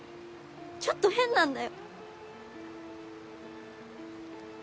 ちょっと変なんだよ。